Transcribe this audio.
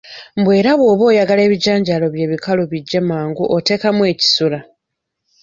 Mbu era bw'oba oyagala ebijanjaalo byo ebikalu bijje mangu oteekamu ekisula.